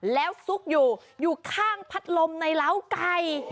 แล้วซุกอยู่อยู่ข้างพัดลมในร้าวไก่